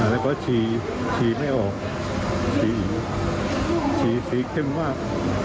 แล้วก็ชีชีไม่ออกชีสีเข้มมาก